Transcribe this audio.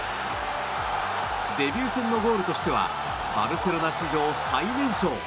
デビュー戦のゴールとしてはバルセロナ史上最年少。